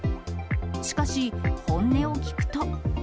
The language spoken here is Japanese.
しかし、本音を聞くと。